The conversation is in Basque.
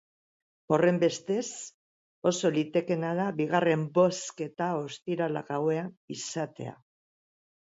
Horrenbestez, oso litekeena da bigarren bozketa ostiral gauean izatea.